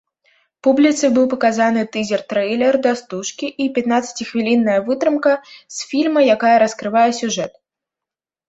Публіцы быў паказаны тызер-трэйлер да стужкі і пятнаццаціхвілінная вытрымка з фільма, якая раскрывае сюжэт.